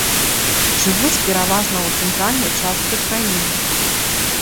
Жывуць пераважна ў цэнтральнай частцы краіны.